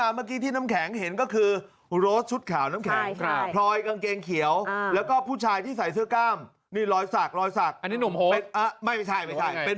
อ่าตี๔นึงมิถุนายนครับภาพจะก้อกล้องจอดปิดในคอนโด